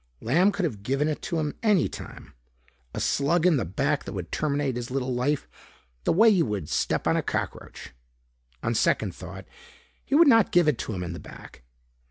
Lamb could have given it to him any time, a slug in the back that would terminate his little life the way you would step on a cockroach. On second thought, he would not give it to him in the back.